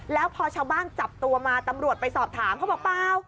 แล้วพอชาวบ้านจับตัวมาตำรวจไปสอบถามเขาบอกเปล่า